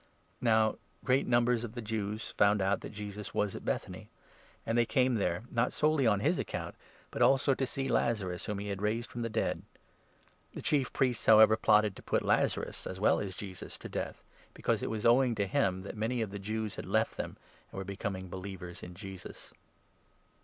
Now great numbers of the Jews found out that Jesus was at 9 Bethany ; and they came there, not solely on his account, but also to see Lazarus, whom he had raised from the dead. The 10 Chief Priests, however, plotted to put Lazarus, as well as Jesus, to death, because it was owing to him that many of the Jews n had left them, and were becoming believers in Jesus.